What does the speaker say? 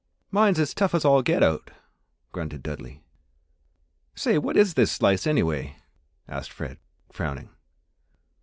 "Mine's as tough as all get out!" grunted Dudley. "Say, what is this slice, anyway?" asked Fred, frowning.